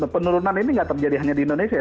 penurunan ini nggak terjadi hanya di indonesia ya